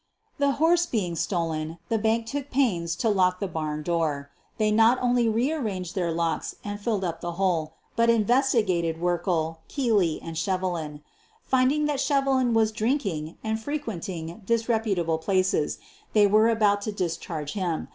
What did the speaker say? The horse being stolen, the bank took pains to lock the barn door. They not only rearranged their locks and filled up the hole, but investigated Werkle, 168 SOPHIE LYONS Keely, and Shevelin. Finding that Shevelin was drinking and frequenting disreputable places, they were about to discharge him.